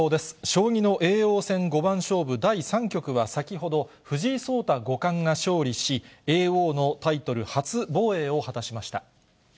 将棋の叡王戦五番勝負第３局は、先ほど、藤井聡太五冠が勝利し、叡王のタイトル初防衛を果たしました。